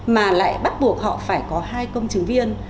mà lại bắt buộc họ phải có hai công chứng viên